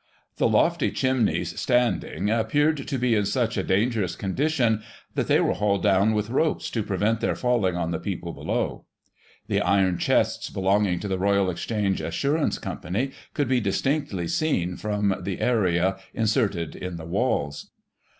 The lofty chimnies standing appeared to be in such a dangerous con dition, that they were hauled down with ropes, to prevent their falling on the people below. The iron chests belonging to the Royal Exchange Assurance Ccwnpany could be distinctly seen, from the area, inserted in the walls.